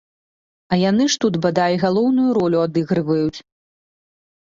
А яны ж тут, бадай, галоўную ролю адыгрываюць.